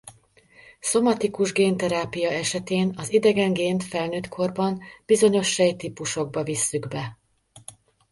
Szomatikus génterápia esetén az idegen gént felnőtt korban bizonyos sejttípusokba visszük be.